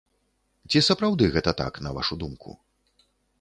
Ці сапраўды гэта так, на вашу думку?